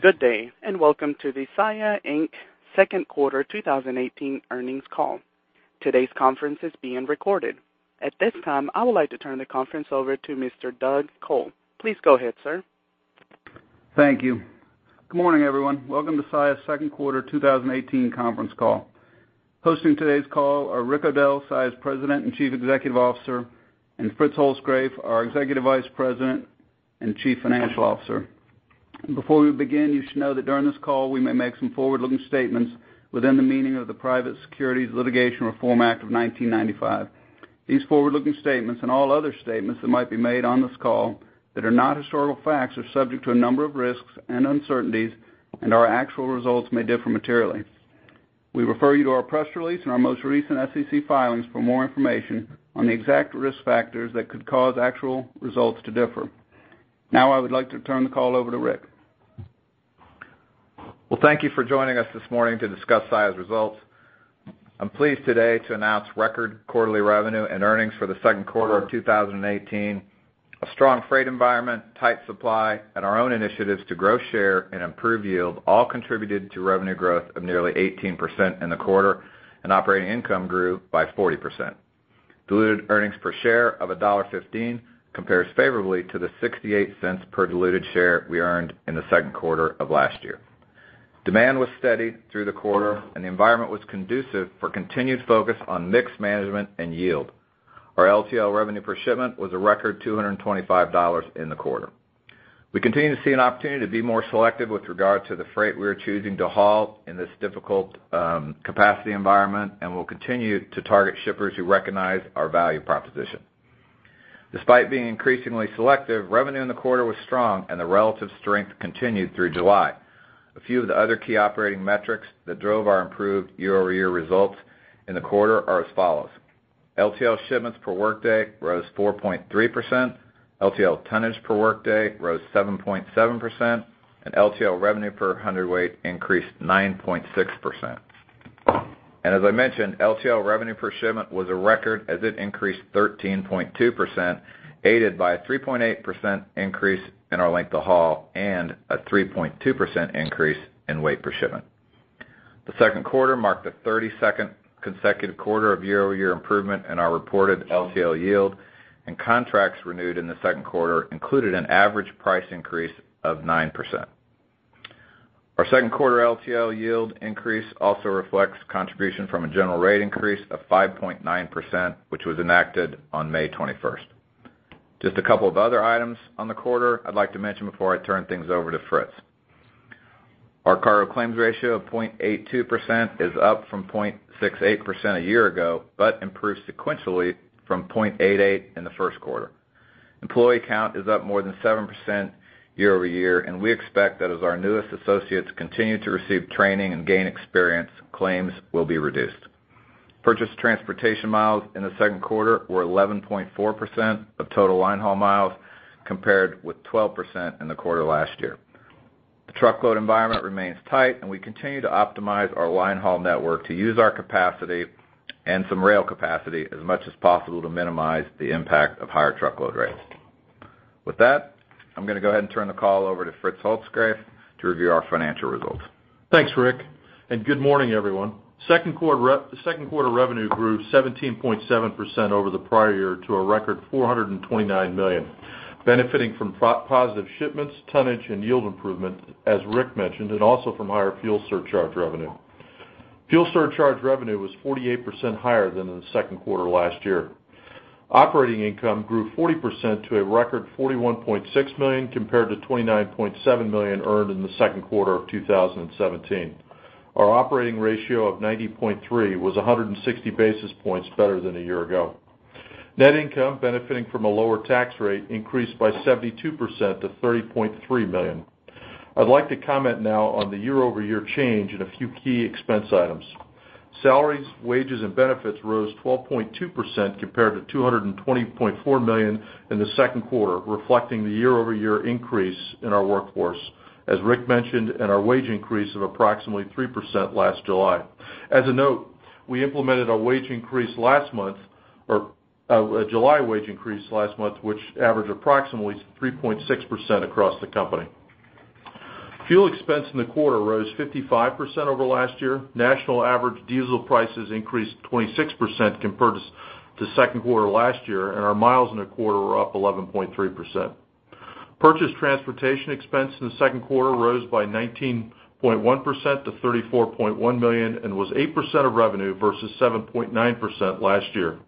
Good day, welcome to the Saia, Inc. second quarter 2018 earnings call. Today's conference is being recorded. At this time, I would like to turn the conference over to Mr. Douglas Col. Please go ahead, sir. Thank you. Good morning, everyone. Welcome to Saia's second quarter 2018 conference call. Hosting today's call are Rick O'Dell, Saia's President and Chief Executive Officer, and Fritz Holzgrefe, our Executive Vice President and Chief Financial Officer. Before we begin, you should know that during this call, we may make some forward-looking statements within the meaning of the Private Securities Litigation Reform Act of 1995. These forward-looking statements, all other statements that might be made on this call that are not historical facts, are subject to a number of risks and uncertainties, our actual results may differ materially. We refer you to our press release and our most recent SEC filings for more information on the exact risk factors that could cause actual results to differ. Now I would like to turn the call over to Rick. Well, thank you for joining us this morning to discuss Saia's results. I'm pleased today to announce record quarterly revenue and earnings for the second quarter of 2018. A strong freight environment, tight supply, our own initiatives to grow share and improve yield all contributed to revenue growth of nearly 18% in the quarter, operating income grew by 40%. Diluted earnings per share of $1.15 compares favorably to the $0.68 per diluted share we earned in the second quarter of last year. Demand was steady through the quarter, the environment was conducive for continued focus on mix management and yield. Our LTL revenue per shipment was a record $225 in the quarter. We continue to see an opportunity to be more selective with regard to the freight we are choosing to haul in this difficult capacity environment, we'll continue to target shippers who recognize our value proposition. Despite being increasingly selective, revenue in the quarter was strong, the relative strength continued through July. A few of the other key operating metrics that drove our improved year-over-year results in the quarter are as follows. LTL shipments per workday rose 4.3%, LTL tonnage per workday rose 7.7%, LTL revenue per 100 weight increased 9.6%. As I mentioned, LTL revenue per shipment was a record as it increased 13.2%, aided by a 3.8% increase in our length of haul a 3.2% increase in weight per shipment. The second quarter marked the 32nd consecutive quarter of year-over-year improvement in our reported LTL yield, and contracts renewed in the second quarter included an average price increase of 9%. Our second quarter LTL yield increase also reflects contribution from a general rate increase of 5.9%, which was enacted on May 21st. Just a couple of other items on the quarter I'd like to mention before I turn things over to Fritz. Our cargo claims ratio of 0.82% is up from 0.68% a year ago, but improved sequentially from 0.88% in the first quarter. Employee count is up more than 7% year-over-year, and we expect that as our newest associates continue to receive training and gain experience, claims will be reduced. Purchased transportation miles in the second quarter were 11.4% of total line haul miles, compared with 12% in the quarter last year. The truckload environment remains tight, we continue to optimize our line haul network to use our capacity and some rail capacity as much as possible to minimize the impact of higher truckload rates. With that, I'm going to go ahead and turn the call over to Fritz Holzgrefe to review our financial results. Thanks, Rick, and good morning, everyone. Second quarter revenue grew 17.7% over the prior year to a record $429 million, benefiting from positive shipments, tonnage, and yield improvement, as Rick mentioned, and also from higher fuel surcharge revenue. Fuel surcharge revenue was 48% higher than in the second quarter last year. Operating income grew 40% to a record $41.6 million, compared to $29.7 million earned in the second quarter of 2017. Our Operating Ratio of 90.3 was 160 basis points better than a year ago. Net income, benefiting from a lower tax rate, increased by 72% to $30.3 million. I'd like to comment now on the year-over-year change in a few key expense items. Salaries, wages, and benefits rose 12.2% compared to $220.4 million in the second quarter, reflecting the year-over-year increase in our workforce, as Rick mentioned, and our wage increase of approximately 3% last July. As a note, we implemented a wage increase last month, or a July wage increase last month, which averaged approximately 3.6% across the company. Fuel expense in the quarter rose 55% over last year. National average diesel prices increased 26% compared to second quarter last year, our miles in the quarter were up 11.3%. Purchased transportation expense in the second quarter rose by 19.1% to $34.1 million and was 8% of revenue versus 7.9% last year.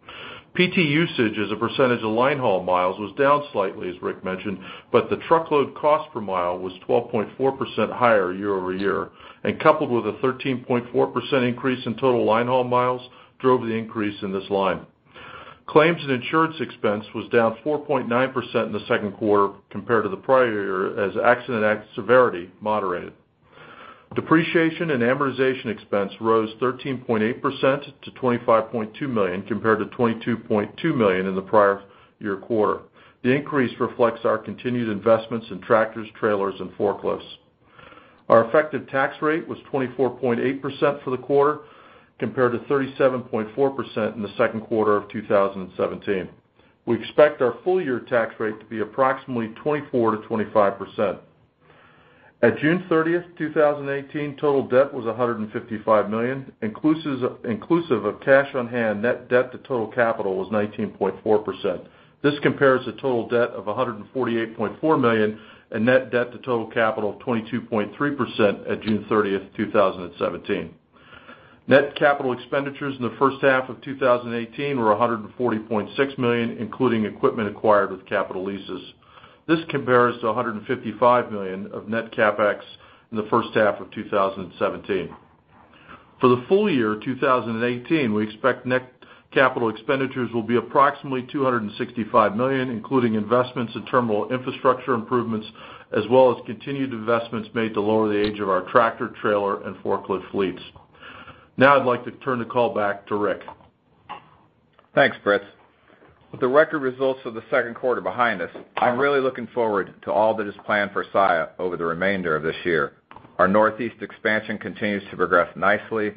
PT usage as a percentage of line haul miles was down slightly, as Rick mentioned, but the truckload cost per mile was 12.4% higher year-over-year and, coupled with a 13.4% increase in total line haul miles, drove the increase in this line. Claims and insurance expense was down 4.9% in the second quarter compared to the prior year as accident severity moderated. Depreciation and amortization expense rose 13.8% to $25.2 million compared to $22.2 million in the prior year quarter. The increase reflects our continued investments in tractors, trailers, and forklifts. Our effective tax rate was 24.8% for the quarter compared to 37.4% in the second quarter of 2017. We expect our full-year tax rate to be approximately 24%-25%. At June 30th, 2018, total debt was $155 million. Inclusive of cash on hand, net debt to total capital was 19.4%. This compares to total debt of $148.4 million and net debt to total capital of 22.3% at June 30th, 2017. Net capital expenditures in the first half of 2018 were $140.6 million, including equipment acquired with capital leases. This compares to $155 million of net CapEx in the first half of 2017. For the full year 2018, we expect net capital expenditures will be approximately $265 million, including investments in terminal infrastructure improvements, as well as continued investments made to lower the age of our tractor, trailer, and forklift fleets. Now I'd like to turn the call back to Rick. Thanks, Fritz. With the record results of the second quarter behind us, I'm really looking forward to all that is planned for Saia over the remainder of this year. Our Northeast expansion continues to progress nicely,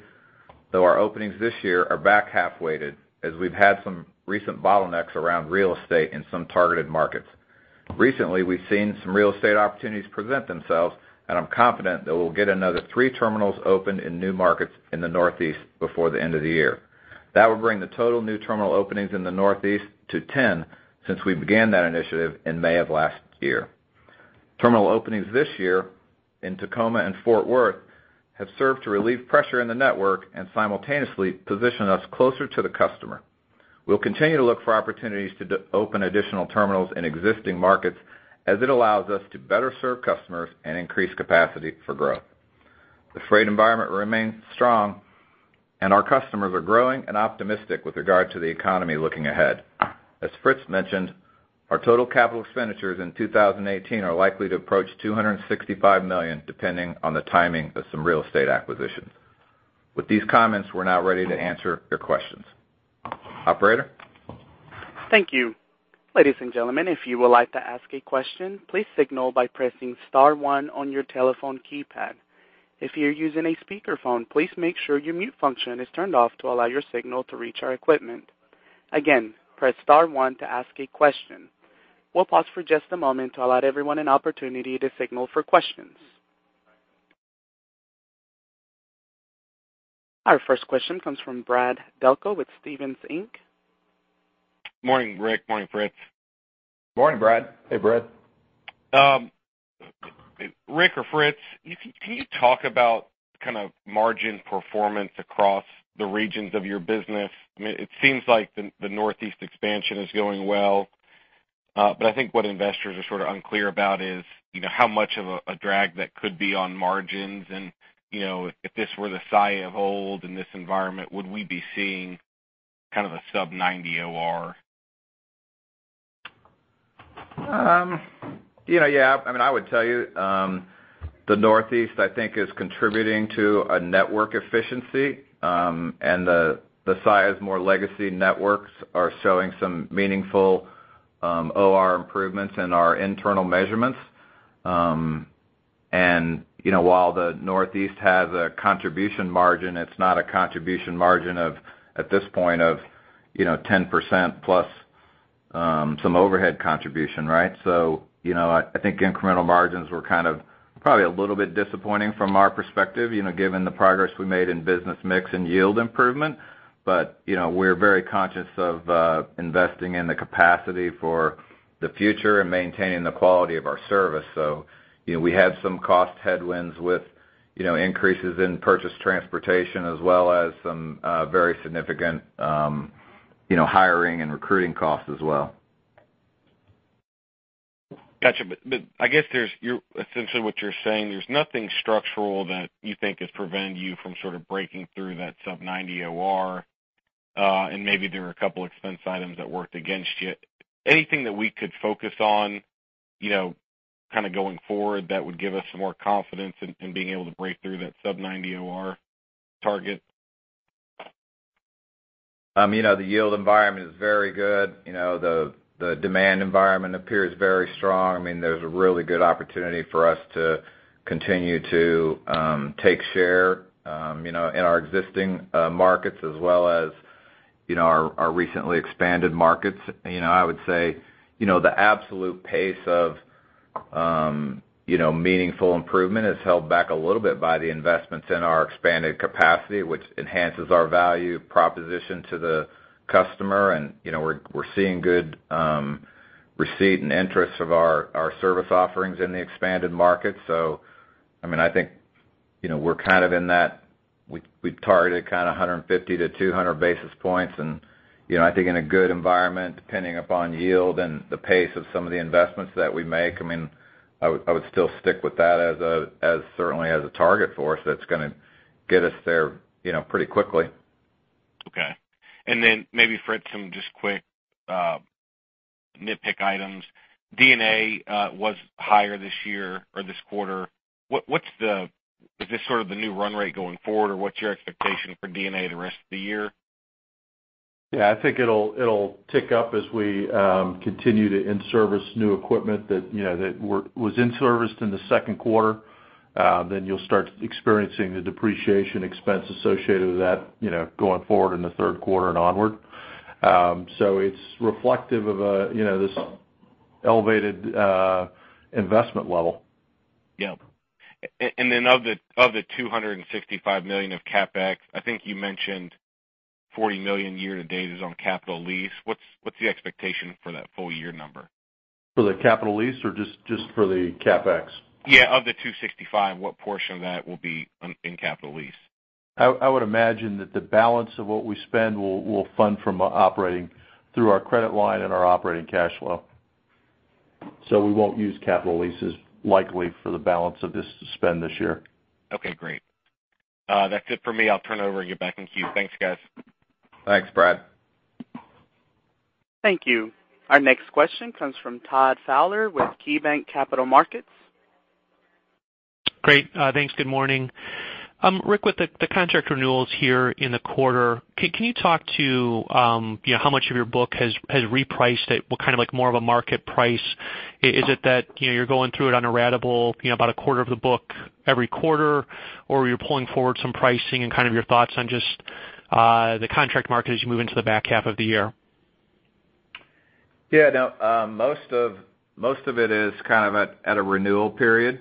though our openings this year are back half weighted as we've had some recent bottlenecks around real estate in some targeted markets. Recently, we've seen some real estate opportunities present themselves, and I'm confident that we'll get another three terminals open in new markets in the Northeast before the end of the year. That will bring the total new terminal openings in the Northeast to 10 since we began that initiative in May of last year. Terminal openings this year in Tacoma and Fort Worth have served to relieve pressure in the network and simultaneously position us closer to the customer. We'll continue to look for opportunities to open additional terminals in existing markets, as it allows us to better serve customers and increase capacity for growth. The freight environment remains strong, and our customers are growing and optimistic with regard to the economy looking ahead. As Fritz mentioned, our total capital expenditures in 2018 are likely to approach $265 million, depending on the timing of some real estate acquisitions. With these comments, we're now ready to answer your questions. Operator? Thank you. Ladies and gentlemen, if you would like to ask a question, please signal by pressing star one on your telephone keypad. If you're using a speakerphone, please make sure your mute function is turned off to allow your signal to reach our equipment. Again, press star one to ask a question. We'll pause for just a moment to allow everyone an opportunity to signal for questions. Our first question comes from Brad Delco with Stephens Inc. Morning, Rick. Morning, Fritz. Morning, Brad. Hey, Brad. Rick or Fritz, can you talk about margin performance across the regions of your business? It seems like the Northeast expansion is going well. I think what investors are sort of unclear about is how much of a drag that could be on margins, and if this were the Saia of old in this environment, would we be seeing a sub 90 OR? I would tell you, the Northeast, I think is contributing to a network efficiency. The Saia's more legacy networks are showing some meaningful OR improvements in our internal measurements. While the Northeast has a contribution margin, it's not a contribution margin at this point of 10% plus some overhead contribution, right? I think incremental margins were probably a little bit disappointing from our perspective, given the progress we made in business mix and yield improvement. We're very conscious of investing in the capacity for the future and maintaining the quality of our service. We had some cost headwinds with increases in purchase transportation as well as some very significant hiring and recruiting costs as well. Got you. I guess essentially what you're saying, there's nothing structural that you think is preventing you from sort of breaking through that sub 90 OR, and maybe there are a couple expense items that worked against you. Anything that we could focus on going forward that would give us some more confidence in being able to break through that sub 90 OR target? The yield environment is very good. The demand environment appears very strong. There's a really good opportunity for us to continue to take share in our existing markets as well as our recently expanded markets. I would say the absolute pace of meaningful improvement is held back a little bit by the investments in our expanded capacity, which enhances our value proposition to the customer, and we're seeing good receipt and interest of our service offerings in the expanded market. I think we're kind of in that we've targeted 150 to 200 basis points, I think in a good environment, depending upon yield and the pace of some of the investments that we make, I would still stick with that certainly as a target for us that's going to get us there pretty quickly. Okay. Maybe Fritz, some just quick nitpick items. D&A was higher this year or this quarter. Is this sort of the new run rate going forward, or what's your expectation for D&A the rest of the year? Yeah, I think it'll tick up as we continue to in-service new equipment that was in-serviced in the second quarter. You'll start experiencing the depreciation expense associated with that going forward in the third quarter and onward. It's reflective of this elevated investment level. Yep. Of the $265 million of CapEx, I think you mentioned $40 million year to date is on capital lease. What's the expectation for that full year number? For the capital lease or just for the CapEx? Yeah. Of the 265, what portion of that will be in capital lease? I would imagine that the balance of what we spend we'll fund from operating through our credit line and our operating cash flow. We won't use capital leases likely for the balance of this spend this year. Okay, great. That's it for me. I'll turn it over and get back in queue. Thanks, guys. Thanks, Brad. Thank you. Our next question comes from Todd Fowler with KeyBanc Capital Markets. Great. Thanks. Good morning. Rick, with the contract renewals here in the quarter, can you talk to how much of your book has repriced at more of a market price? Is it that you're going through it on a ratable, about a quarter of the book every quarter, or you're pulling forward some pricing and kind of your thoughts on just the contract market as you move into the back half of the year? Yeah. Most of it is at a renewal period.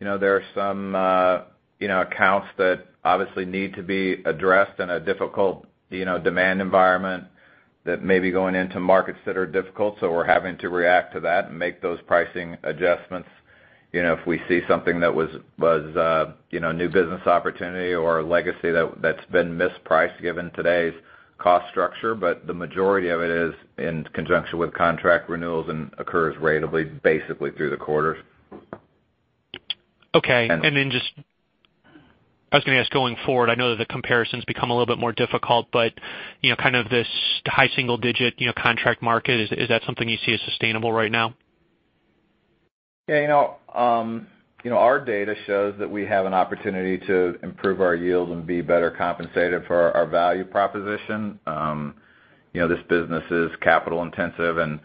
There are some accounts that obviously need to be addressed in a difficult demand environment that may be going into markets that are difficult, so we're having to react to that and make those pricing adjustments. If we see something that was a new business opportunity or a legacy that's been mispriced given today's cost structure. The majority of it is in conjunction with contract renewals and occurs ratably basically through the quarters. Okay. I was going to ask going forward, I know that the comparisons become a little bit more difficult, this high single-digit contract market, is that something you see as sustainable right now? Yeah. Our data shows that we have an opportunity to improve our yield and be better compensated for our value proposition. This business is capital intensive and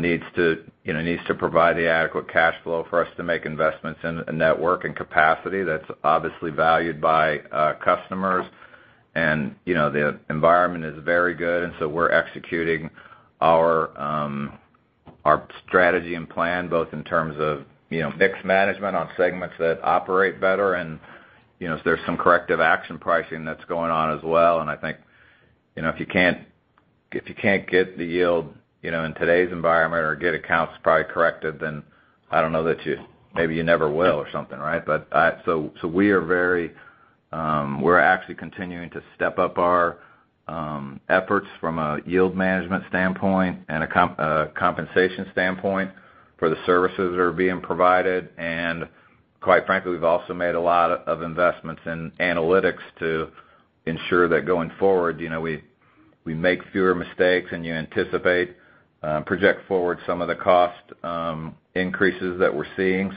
needs to provide the adequate cash flow for us to make investments in network and capacity that's obviously valued by customers. The environment is very good, so we're executing our strategy and plan both in terms of mix management on segments that operate better, there's some corrective action pricing that's going on as well. I think, if you can't get the yield in today's environment or get accounts probably corrected, then I don't know that you never will or something, right? We're actually continuing to step up our efforts from a yield management standpoint and a compensation standpoint for the services that are being provided. Quite frankly, we've also made a lot of investments in analytics to ensure that going forward, we make fewer mistakes and project forward some of the cost increases that we're seeing.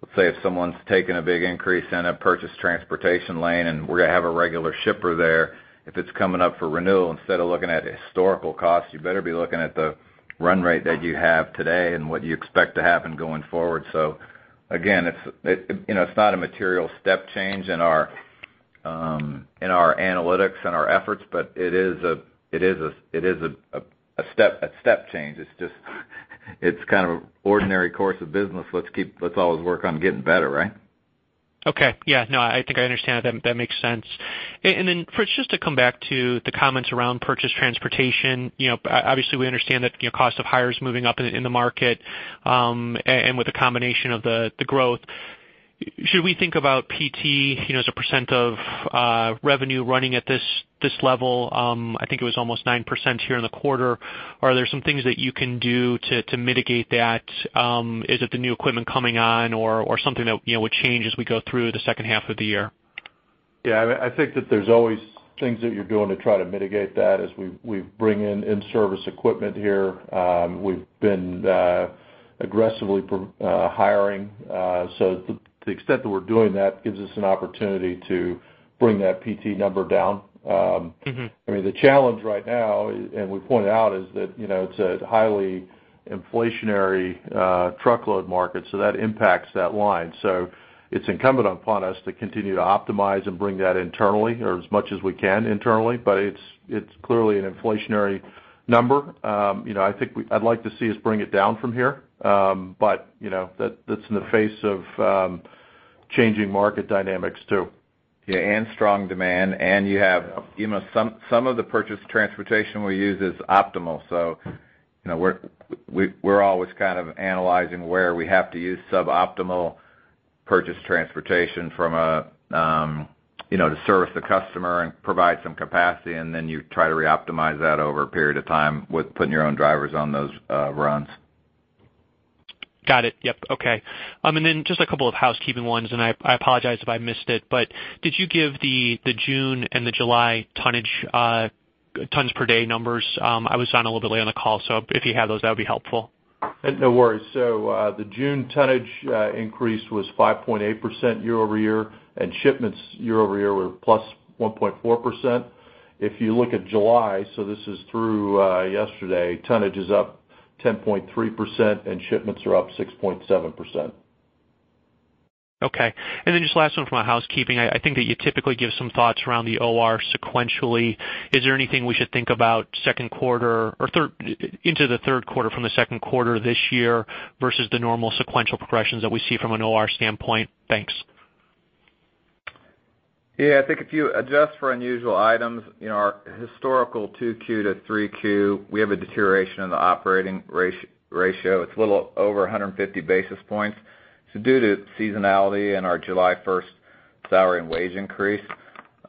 Let's say if someone's taking a big increase in a purchased transportation lane, we're going to have a regular shipper there, if it's coming up for renewal, instead of looking at historical costs, you better be looking at the run rate that you have today and what you expect to happen going forward. Again, it's not a material step change in our analytics and our efforts, but it is a step change. It's kind of ordinary course of business. Let's always work on getting better, right? Okay. Yeah, no, I think I understand. That makes sense. Just to come back to the comments around purchased transportation, obviously we understand that cost of hires moving up in the market, with the combination of the growth. Should we think about PT as a % of revenue running at this level? I think it was almost 9% here in the quarter. Are there some things that you can do to mitigate that? Is it the new equipment coming on or something that would change as we go through the second half of the year? I think that there's always things that you're doing to try to mitigate that as we bring in in-service equipment here. We've been aggressively hiring. To the extent that we're doing that gives us an opportunity to bring that PT number down. The challenge right now, we pointed out, is that it's a highly inflationary truckload market, that impacts that line. It's incumbent upon us to continue to optimize and bring that internally, or as much as we can internally, it's clearly an inflationary number. I'd like to see us bring it down from here. That's in the face of changing market dynamics, too. Strong demand. You have some of the purchased transportation we use is optimal. We're always kind of analyzing where we have to use suboptimal purchased transportation to service the customer and provide some capacity, then you try to reoptimize that over a period of time with putting your own drivers on those runs. Got it. Yep. Okay. Just a couple of housekeeping ones, I apologize if I missed it, did you give the June and the July tonnage, tons per day numbers? I was on a little bit late on the call, if you have those, that would be helpful. No worries. The June tonnage increase was 5.8% year-over-year, shipments year-over-year were +1.4%. If you look at July, this is through yesterday, tonnage is up 10.3%, shipments are up 6.7%. Okay. Then just last one for my housekeeping. I think that you typically give some thoughts around the OR sequentially. Is there anything we should think about into the third quarter from the second quarter this year versus the normal sequential progressions that we see from an OR standpoint? Thanks. Yeah. I think if you adjust for unusual items, our historical Q2 to Q3, we have a deterioration in the operating ratio. It is a little over 150 basis points. Due to seasonality and our July 1st salary and wage increase,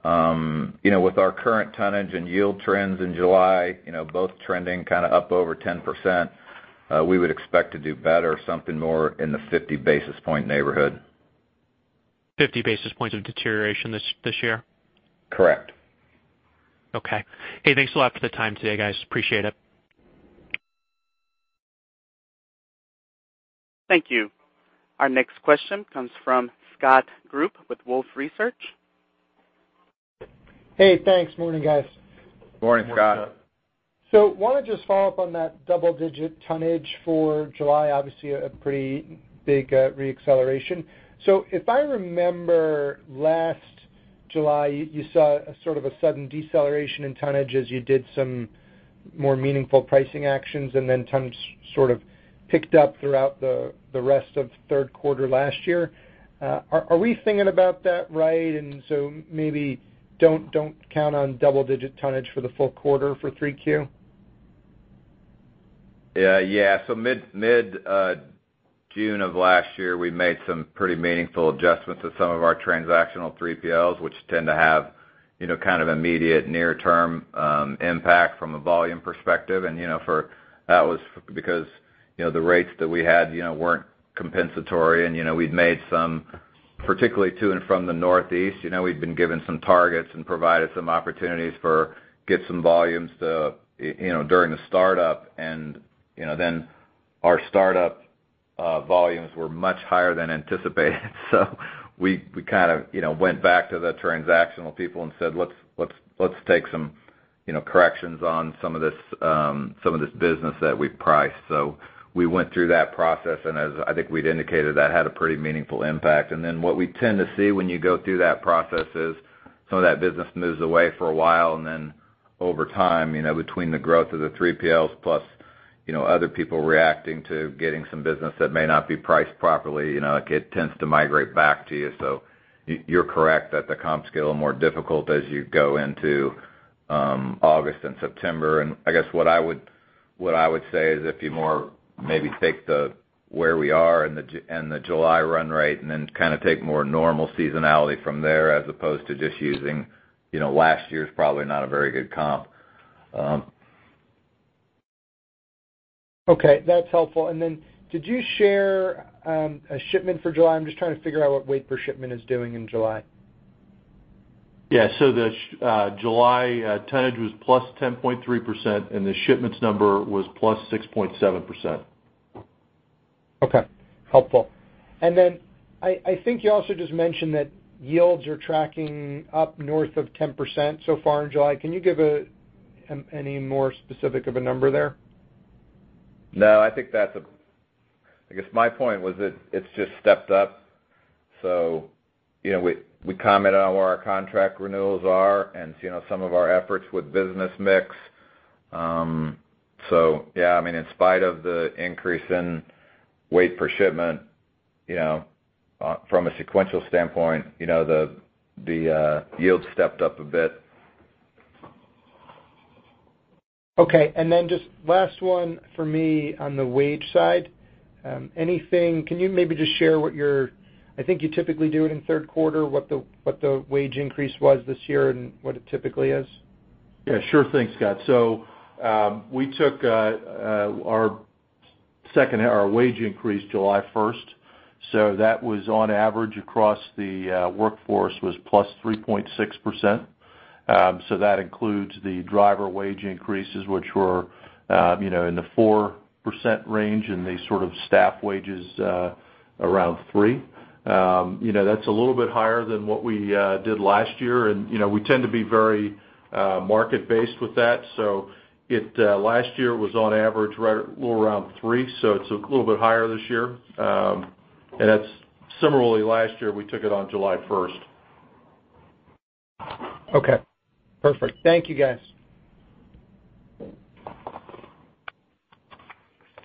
with our current tonnage and yield trends in July, both trending up over 10%, we would expect to do better, something more in the 50 basis point neighborhood. 50 basis points of deterioration this year? Correct. Okay. Hey, thanks a lot for the time today, guys. Appreciate it. Thank you. Our next question comes from Scott Group with Wolfe Research. Hey, thanks. Morning, guys. Morning, Scott. Morning, Scott. I want to just follow up on that double-digit tonnage for July. Obviously, a pretty big re-acceleration. If I remember last July, you saw a sudden deceleration in tonnage as you did some more meaningful pricing actions, and then tonnage sort of picked up throughout the rest of third quarter last year. Are we thinking about that right? Maybe don't count on double-digit tonnage for the full quarter for Q3? Yes. Mid-June of last year, we made some pretty meaningful adjustments to some of our transactional 3PLs, which tend to have immediate near-term impact from a volume perspective. That was because the rates that we had weren't compensatory, and we'd made some, particularly to and from the Northeast, we'd been given some targets and provided some opportunities for get some volumes during the startup. Our startup volumes were much higher than anticipated. We kind of went back to the transactional people and said, "Let's take some corrections on some of this business that we priced." We went through that process, and as I think we'd indicated, that had a pretty meaningful impact. What we tend to see when you go through that process is some of that business moves away for a while, and then over time, between the growth of the 3PLs plus other people reacting to getting some business that may not be priced properly, it tends to migrate back to you. You're correct that the comps get a little more difficult as you go into August and September. I guess what I would say is if you more maybe take the where we are and the July run rate, and then take more normal seasonality from there as opposed to just using last year's probably not a very good comp. Okay, that's helpful. Did you share a shipment for July? I'm just trying to figure out what weight per shipment is doing in July. Yeah. The July tonnage was +10.3%, and the shipments number was +6.7%. Okay, helpful. I think you also just mentioned that yields are tracking up north of 10% so far in July. Can you give any more specific of a number there? No, I think that's I guess my point was that it's just stepped up. We comment on where our contract renewals are and some of our efforts with business mix. Yeah, in spite of the increase in weight per shipment, from a sequential standpoint the yield stepped up a bit. Okay, just last one for me on the wage side. Can you maybe just share what your, I think you typically do it in third quarter, what the wage increase was this year and what it typically is? Sure thing, Scott. We took our wage increase July 1st. That was on average across the workforce was +3.6%. That includes the driver wage increases, which were in the 4% range and the sort of staff wages around three. That's a little bit higher than what we did last year, and we tend to be very market-based with that. Last year was on average right a little around three, it's a little bit higher this year. Similarly last year, we took it on July 1st. Perfect. Thank you, guys.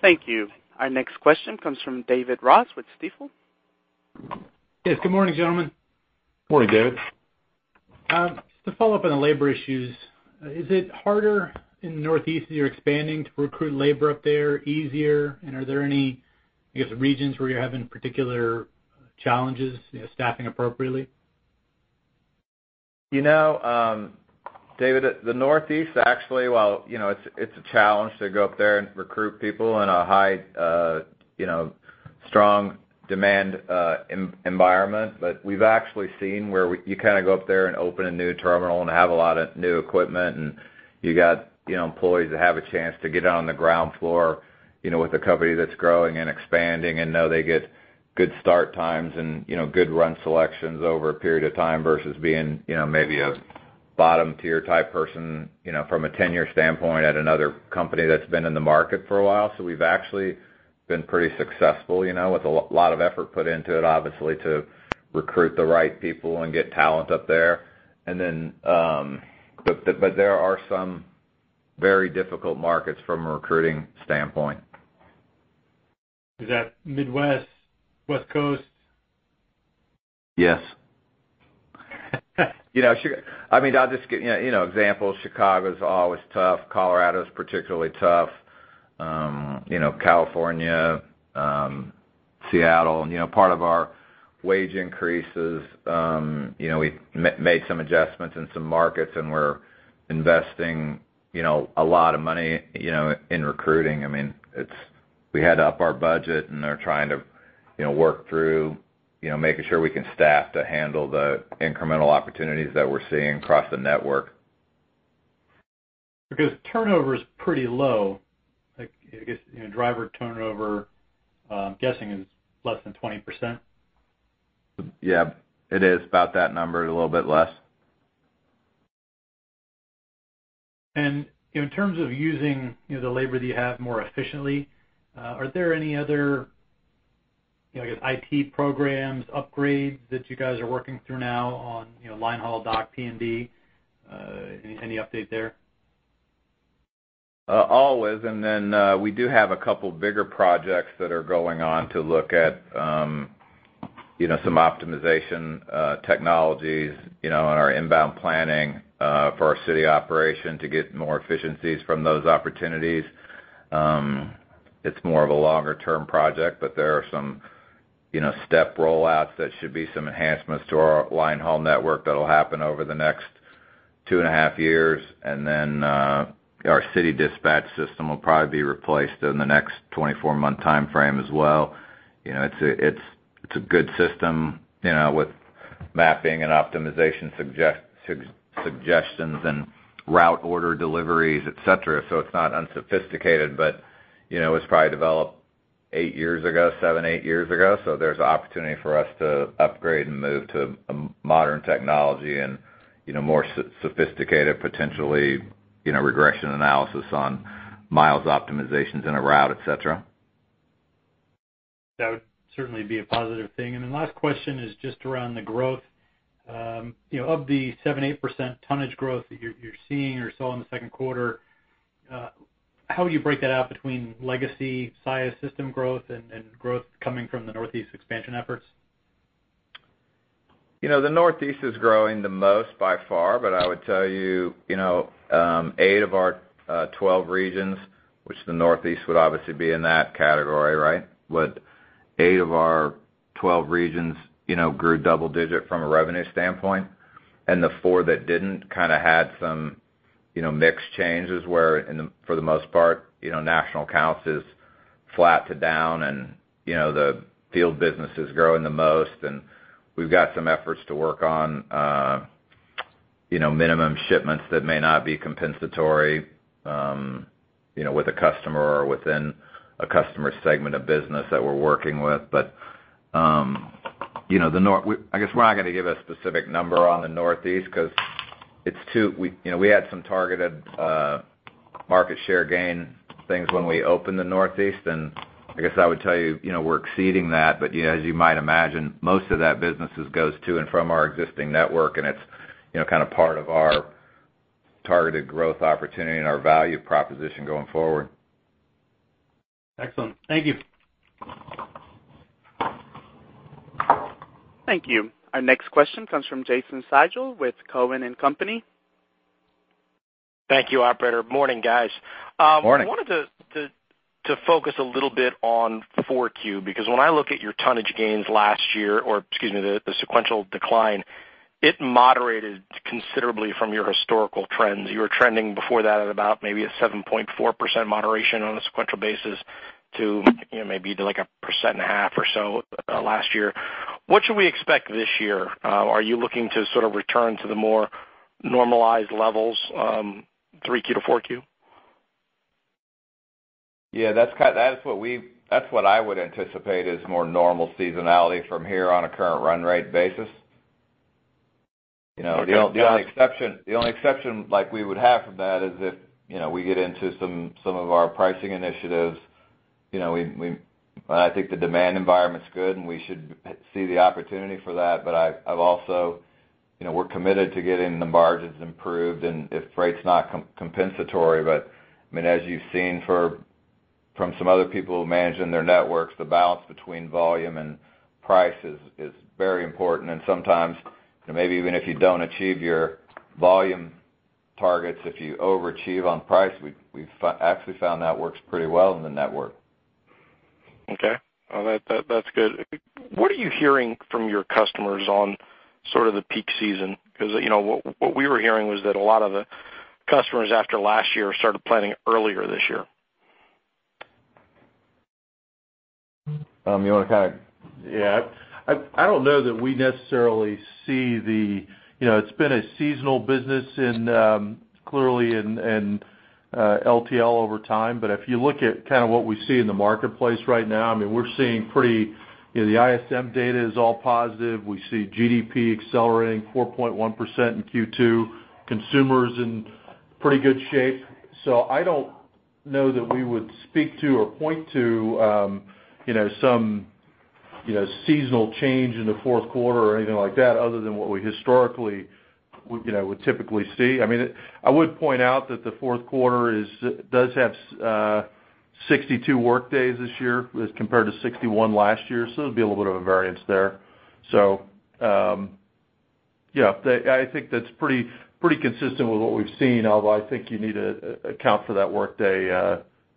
Thank you. Our next question comes from David Ross with Stifel. Yes, good morning, gentlemen. Morning, David. To follow up on the labor issues, is it harder in the Northeast as you're expanding to recruit labor up there, easier? Are there any, I guess, regions where you're having particular challenges staffing appropriately? David, the Northeast actually, while it's a challenge to go up there and recruit people in a high, strong demand environment, we've actually seen where you go up there and open a new terminal and have a lot of new equipment, and you got employees that have a chance to get on the ground floor with a company that's growing and expanding and know they get good start times and good run selections over a period of time versus being maybe a Bottom tier type person from a tenure standpoint at another company that's been in the market for a while. We've actually been pretty successful, with a lot of effort put into it, obviously, to recruit the right people and get talent up there. There are some very difficult markets from a recruiting standpoint. Is that Midwest, West Coast? Yes. I mean, I'll just give examples. Chicago's always tough. Colorado's particularly tough. California, Seattle. Part of our wage increases, we made some adjustments in some markets, and we're investing a lot of money in recruiting. I mean, we had to up our budget, and they're trying to work through making sure we can staff to handle the incremental opportunities that we're seeing across the network. Because turnover is pretty low. I guess driver turnover, I'm guessing is less than 20%. Yeah. It is about that number, a little bit less. In terms of using the labor that you have more efficiently, are there any other, I guess, IT programs, upgrades that you guys are working through now on line haul dock P&D? Any update there? Always. We do have a couple bigger projects that are going on to look at some optimization technologies in our inbound planning for our city operation to get more efficiencies from those opportunities. It's more of a longer-term project, but there are some step roll-outs that should be some enhancements to our line haul network that'll happen over the next two and a half years. Our city dispatch system will probably be replaced in the next 24-month timeframe as well. It's a good system, with mapping and optimization suggestions and route order deliveries, et cetera. It's not unsophisticated, but it was probably developed seven, eight years ago. There's opportunity for us to upgrade and move to a modern technology and more sophisticated, potentially, regression analysis on miles optimizations in a route, et cetera. That would certainly be a positive thing. Last question is just around the growth. Of the 7%-8% tonnage growth that you're seeing or saw in the second quarter, how would you break that out between legacy Saia system growth and growth coming from the Northeast expansion efforts? The Northeast is growing the most by far, I would tell you 8 of our 12 regions, which the Northeast would obviously be in that category, right? 8 of our 12 regions grew double digit from a revenue standpoint. The 4 that didn't kind of had some mix changes where, for the most part, national accounts is flat to down and the field business is growing the most. We've got some efforts to work on minimum shipments that may not be compensatory with a customer or within a customer segment of business that we're working with. I guess we're not going to give a specific number on the Northeast because we had some targeted market share gain things when we opened the Northeast. I guess I would tell you, we're exceeding that. As you might imagine, most of that business goes to and from our existing network, and it's kind of part of our targeted growth opportunity and our value proposition going forward. Excellent. Thank you. Thank you. Our next question comes from Jason Seidl with Cowen and Company. Thank you, operator. Morning, guys. Morning. I wanted to focus a little bit on 4Q, because when I look at your tonnage gains last year, or excuse me, the sequential decline, it moderated considerably from your historical trends. You were trending before that at about maybe a 7.4% moderation on a sequential basis to maybe to like a percent and a half or so last year. What should we expect this year? Are you looking to sort of return to the more normalized levels, 3Q to 4Q? Yeah, that's what I would anticipate is more normal seasonality from here on a current run rate basis. The only exception like we would have from that is if we get into some of our pricing initiatives. I think the demand environment's good, and we should see the opportunity for that. We're committed to getting the margins improved and if rate's not compensatory. I mean, as you've seen from some other people managing their networks, the balance between volume and price is very important. Sometimes, maybe even if you don't achieve your volume targets, if you overachieve on price, we've actually found that works pretty well in the network. Okay. Well, that's good. What are you hearing from your customers on sort of the peak season? What we were hearing was that a lot of the customers after last year started planning earlier this year. You want to kind of Yeah. I don't know that we necessarily see. It's been a seasonal business and If you look at what we see in the marketplace right now, The ISM data is all positive. We see GDP accelerating 4.1% in Q2. Consumers in pretty good shape. I don't know that we would speak to or point to some seasonal change in the fourth quarter or anything like that other than what we historically would typically see. I would point out that the fourth quarter does have 62 workdays this year as compared to 61 last year, there'll be a little bit of a variance there. Yeah. I think that's pretty consistent with what we've seen, although I think you need to account for that workday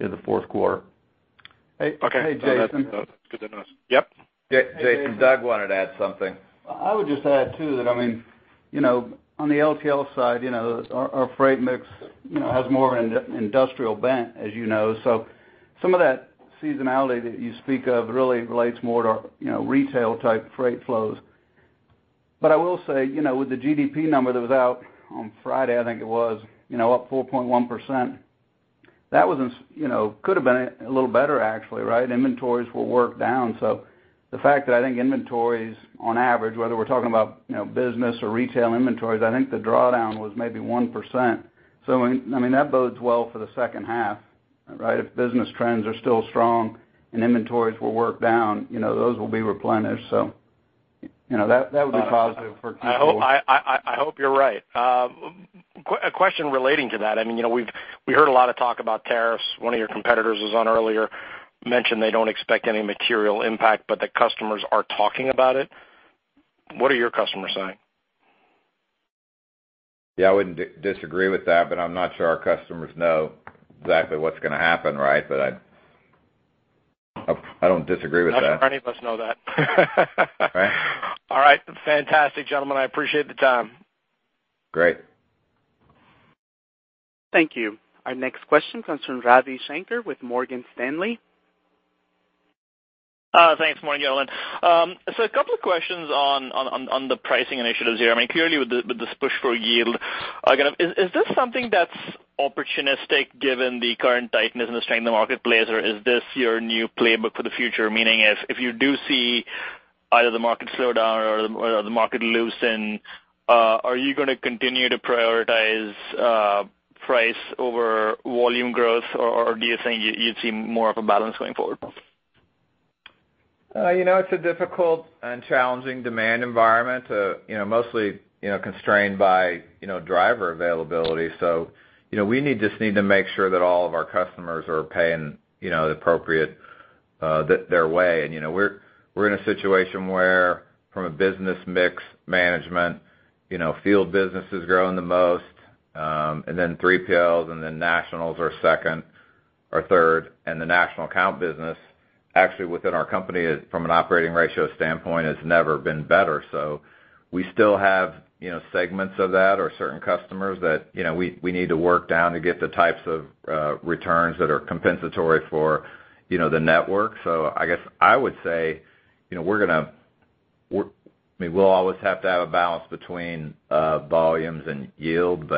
in the fourth quarter. Hey, Jason. Okay. That's good to know. Yep. Jason, Doug wanted to add something. I would just add too that on the LTL side, our freight mix has more of an industrial bent, as you know. Some of that seasonality that you speak of really relates more to retail type freight flows. I will say, with the GDP number that was out on Friday, I think it was, up 4.1%, that could have been a little better actually, right? Inventories will work down. The fact that I think inventories on average, whether we're talking about business or retail inventories, I think the drawdown was maybe 1%. That bodes well for the second half, right? If business trends are still strong and inventories will work down, those will be replenished. That would be positive for people. I hope you're right. A question relating to that. We heard a lot of talk about tariffs. One of your competitors was on earlier, mentioned they don't expect any material impact, but the customers are talking about it. What are your customers saying? Yeah, I wouldn't disagree with that, but I'm not sure our customers know exactly what's going to happen, right? I don't disagree with that. None of us know that. Right. All right. Fantastic, gentlemen. I appreciate the time. Great. Thank you. Our next question comes from Ravi Shanker with Morgan Stanley. Thanks. Good morning, gentlemen. A couple of questions on the pricing initiatives here. Clearly with this push for yield, is this something that's opportunistic given the current tightness and the strength in the marketplace, or is this your new playbook for the future? Meaning if you do see either the market slow down or the market loosen, are you going to continue to prioritize price over volume growth, or do you think you'd see more of a balance going forward? It's a difficult and challenging demand environment, mostly constrained by driver availability. We just need to make sure that all of our customers are paying their way. We're in a situation where from a business mix management, field business is growing the most, and then 3PLs, and then nationals are second or third. The national account business actually within our company from an operating ratio standpoint has never been better. We still have segments of that or certain customers that we need to work down to get the types of returns that are compensatory for the network. I guess I would say we'll always have to have a balance between volumes and yield.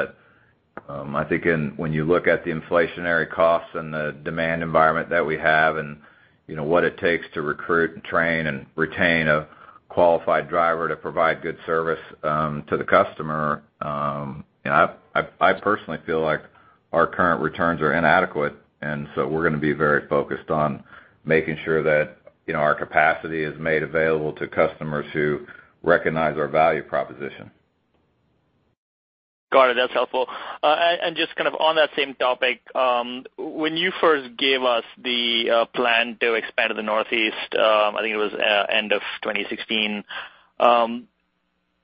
I think when you look at the inflationary costs and the demand environment that we have, and what it takes to recruit, train, and retain a qualified driver to provide good service to the customer, I personally feel like our current returns are inadequate. We're going to be very focused on making sure that our capacity is made available to customers who recognize our value proposition. Got it. That's helpful. Just on that same topic, when you first gave us the plan to expand to the Northeast, I think it was end of 2016,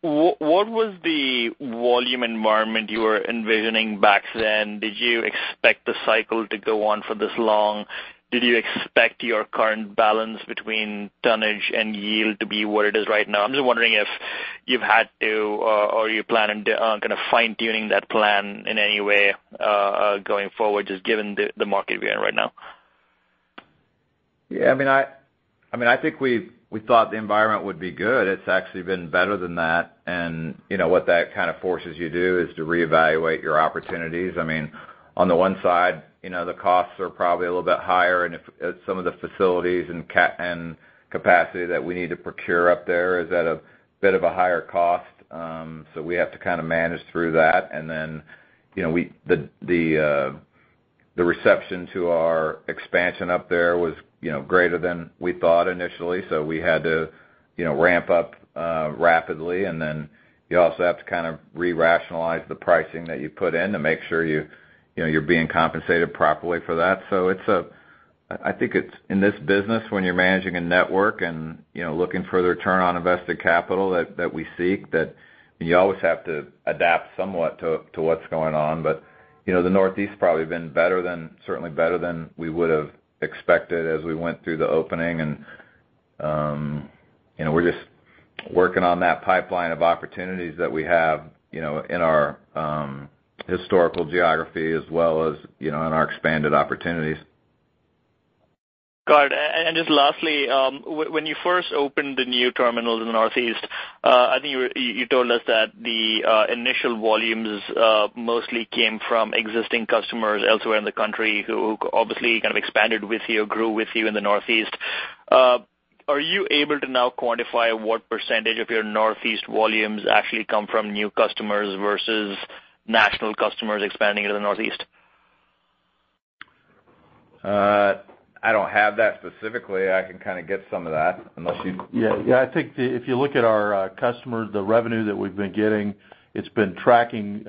what was the volume environment you were envisioning back then? Did you expect the cycle to go on for this long? Did you expect your current balance between tonnage and yield to be what it is right now? I'm just wondering if you've had to or you plan on fine-tuning that plan in any way going forward, just given the market we're in right now. Yeah. I think we thought the environment would be good. It's actually been better than that. What that forces you to do is to reevaluate your opportunities. On the one side, the costs are probably a little bit higher, and some of the facilities and capacity that we need to procure up there is at a bit of a higher cost. We have to manage through that. The reception to our expansion up there was greater than we thought initially. We had to ramp up rapidly. You also have to re-rationalize the pricing that you put in to make sure you're being compensated properly for that. I think in this business, when you're managing a network and looking for the return on invested capital that we seek, that you always have to adapt somewhat to what's going on. The Northeast probably been certainly better than we would have expected as we went through the opening. We're just working on that pipeline of opportunities that we have in our historical geography as well as in our expanded opportunities Got it. Just lastly, when you first opened the new terminal in the Northeast, I think you told us that the initial volumes mostly came from existing customers elsewhere in the country who obviously kind of expanded with you or grew with you in the Northeast. Are you able to now quantify what % of your Northeast volumes actually come from new customers versus national customers expanding into the Northeast? I don't have that specifically. I can get some of that. Yeah. I think if you look at our customers, the revenue that we've been getting, it's been tracking.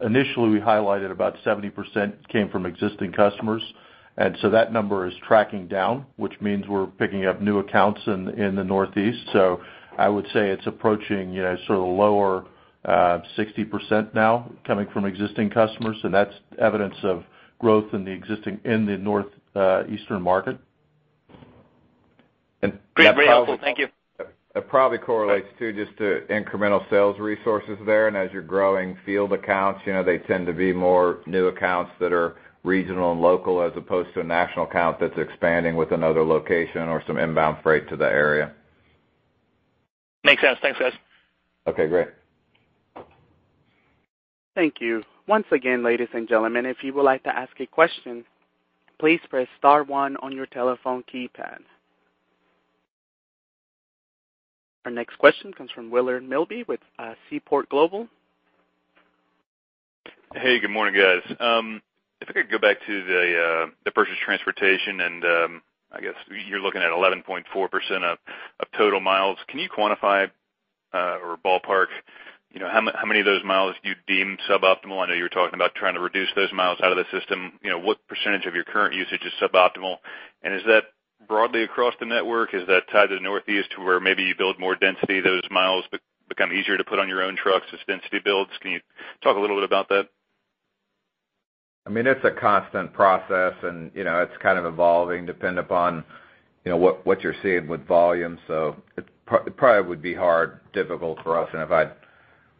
Initially, we highlighted about 70% came from existing customers. That number is tracking down, which means we're picking up new accounts in the Northeast. I would say it's approaching sort of lower 60% now coming from existing customers. That's evidence of growth in the Northeastern market. Great. Very helpful. Thank you. That probably correlates too, just to incremental sales resources there, and as you're growing field accounts, they tend to be more new accounts that are regional and local as opposed to a national account that's expanding with another location or some inbound freight to the area. Makes sense. Thanks, guys. Okay, great. Thank you. Once again, ladies and gentlemen, if you would like to ask a question, please press *1 on your telephone keypad. Our next question comes from Willard Milby with Seaport Global. Hey, good morning, guys. If I could go back to the purchased transportation and, I guess you're looking at 11.4% of total miles. Can you quantify, or ballpark, how many of those miles do you deem suboptimal? I know you were talking about trying to reduce those miles out of the system. What % of your current usage is suboptimal? Is that broadly across the network? Is that tied to the Northeast, where maybe you build more density, those miles become easier to put on your own trucks as density builds? Can you talk a little bit about that? It's a constant process, and it's kind of evolving depending upon what you're seeing with volume. It probably would be hard, difficult for us.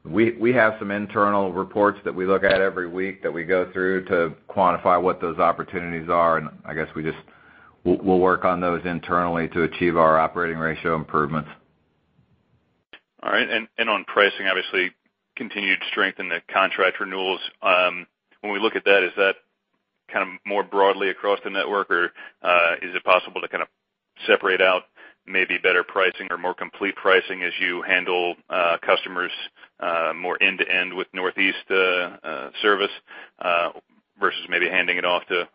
We have some internal reports that we look at every week that we go through to quantify what those opportunities are, and I guess we'll work on those internally to achieve our operating ratio improvements. All right. On pricing, obviously continued strength in the contract renewals. When we look at that, is that more broadly across the network, or is it possible to separate out maybe better pricing or more complete pricing as you handle customers more end-to-end with Northeast service versus maybe handing it off to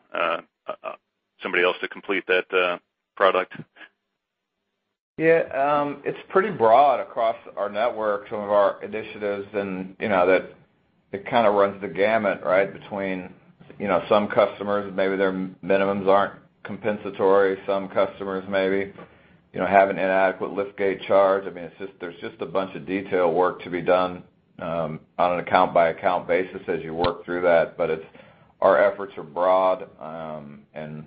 somebody else to complete that product? Yeah. It's pretty broad across our network, some of our initiatives. It kind of runs the gamut between some customers, maybe their minimums aren't compensatory. Some customers maybe have an inadequate lift gate charge. There's just a bunch of detail work to be done on an account-by-account basis as you work through that. Our efforts are broad, and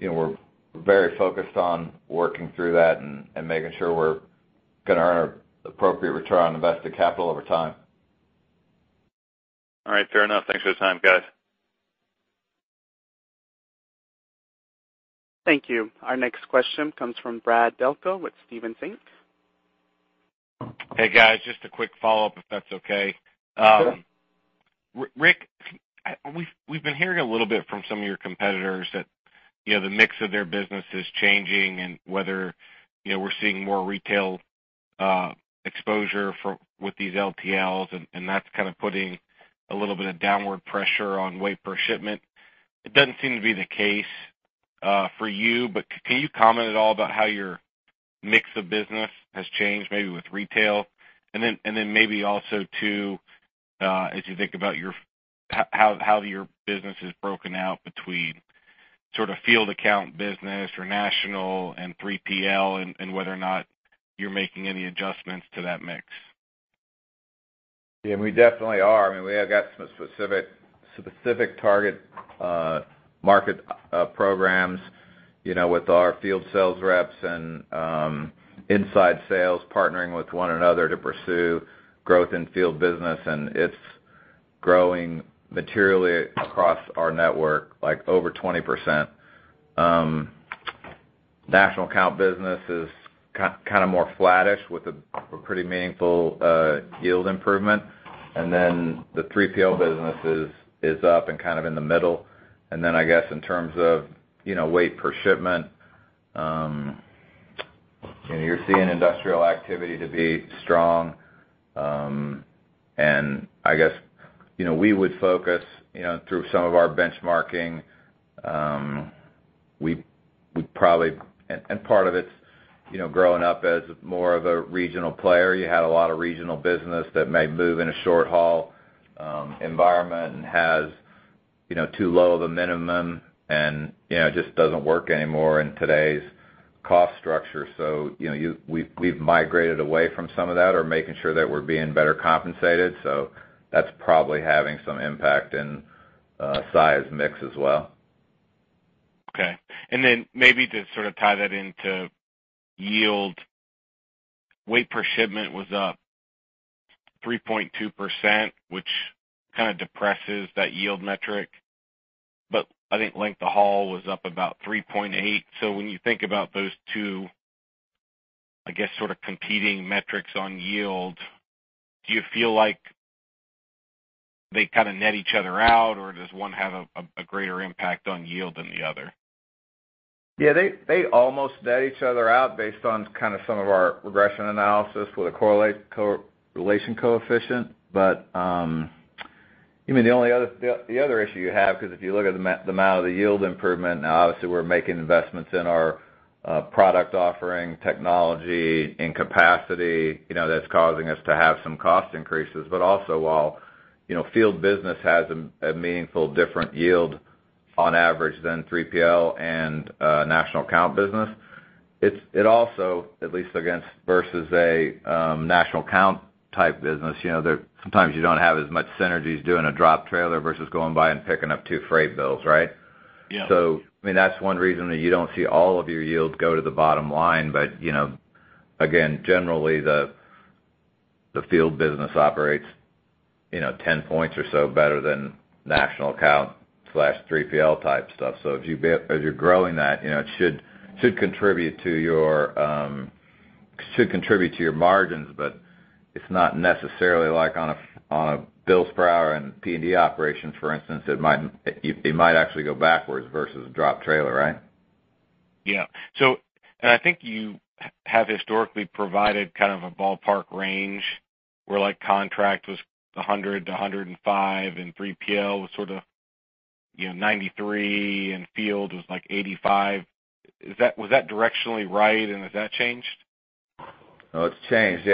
we're very focused on working through that and making sure we're going to earn an appropriate return on invested capital over time. All right. Fair enough. Thanks for the time, guys. Thank you. Our next question comes from Brad Delco with Stephens Inc. Hey, guys. Just a quick follow-up, if that's okay. Sure. Rick, we've been hearing a little bit from some of your competitors that the mix of their business is changing and whether we're seeing more retail exposure with these LTLs, and that's kind of putting a little bit of downward pressure on weight per shipment. It doesn't seem to be the case for you, but can you comment at all about how your mix of business has changed, maybe with retail? Maybe also too, as you think about how your business is broken out between sort of field account business or national and 3PL and whether or not you're making any adjustments to that mix. Yeah. We definitely are. We have got some specific target market programs with our field sales reps and inside sales partnering with one another to pursue growth in field business, and it's growing materially across our network, like over 20%. National account business is more flattish with a pretty meaningful yield improvement. The 3PL business is up and kind of in the middle. I guess in terms of weight per shipment, you're seeing industrial activity to be strong. I guess we would focus through some of our benchmarking, and part of it's growing up as more of a regional player. You had a lot of regional business that may move in a short-haul environment and has too low of a minimum and just doesn't work anymore in today's cost structure. We've migrated away from some of that or making sure that we're being better compensated. That's probably having some impact in size mix as well. Okay. Maybe to sort of tie that into yield, weight per shipment was up 3.2%, which kind of depresses that yield metric. I think length of haul was up about 3.8%. When you think about those two, I guess, sort of competing metrics on yield, do you feel like they kind of net each other out, or does one have a greater impact on yield than the other? They almost net each other out based on kind of some of our regression analysis with a correlation coefficient. The only other issue you have, because if you look at the amount of the yield improvement, now obviously we're making investments in our product offering technology and capacity that's causing us to have some cost increases. Also, while field business has a meaningful different yield on average than 3PL and national account business. It also, at least versus a national account type business, sometimes you don't have as much synergies doing a drop trailer versus going by and picking up two freight bills, right? Yeah. That's one reason that you don't see all of your yields go to the bottom line. Again, generally, the field business operates 10 points or so better than national account/3PL type stuff. As you're growing that, it should contribute to your margins, but it's not necessarily like on a bills per hour and P&D operations, for instance. It might actually go backwards versus a drop trailer, right? I think you have historically provided kind of a ballpark range where contract was 100 to 105, and 3PL was sort of 93, and field was like 85. Was that directionally right, and has that changed? It's changed.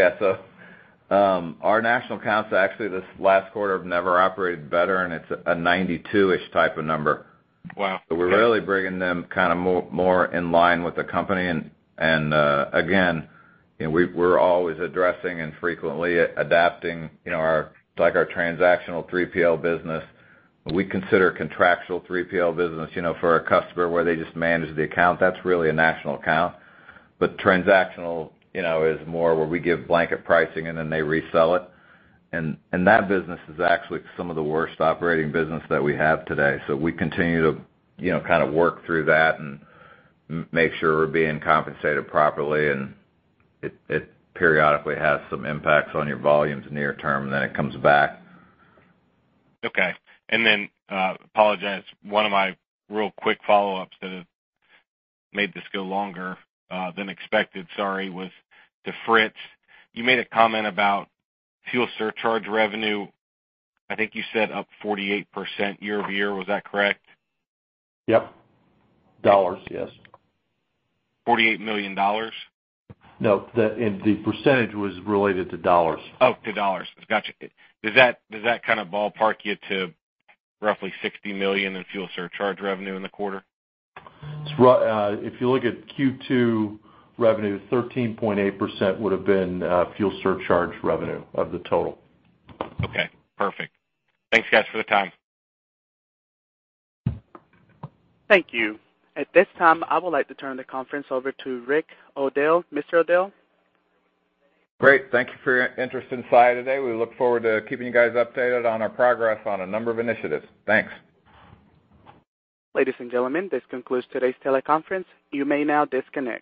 Our national accounts, actually, this last quarter have never operated better, and it's a 92-ish type of number. Wow. We're really bringing them kind of more in line with the company, again, we're always addressing and frequently adapting our transactional 3PL business. We consider contractual 3PL business for a customer where they just manage the account. That's really a national account. Transactional is more where we give blanket pricing, then they resell it. That business is actually some of the worst operating business that we have today. We continue to kind of work through that and make sure we're being compensated properly. It periodically has some impacts on your volumes near term, then it comes back. Okay. Apologize, one of my real quick follow-ups that have made this go longer than expected, sorry, was to Fritz. You made a comment about fuel surcharge revenue. I think you said up 48% year-over-year. Was that correct? Yep. Dollars, yes. $48 million? No. The percentage was related to dollars. Oh, to dollars. Got you. Does that kind of ballpark you to roughly $60 million in fuel surcharge revenue in the quarter? If you look at Q2 revenue, 13.8% would have been fuel surcharge revenue of the total. Okay, perfect. Thanks, guys, for the time. Thank you. At this time, I would like to turn the conference over to Rick O'Dell. Mr. O'Dell? Great. Thank you for your interest in Saia today. We look forward to keeping you guys updated on our progress on a number of initiatives. Thanks. Ladies and gentlemen, this concludes today's teleconference. You may now disconnect.